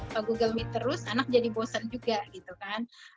pagugambin terus anak jadi bosen juga gitu kan